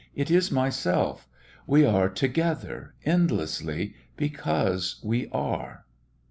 It is myself. We are together endlessly because we are."